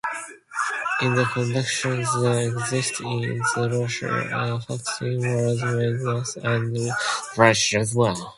In the conditions then existing in Russia, factionalism was madness and treason.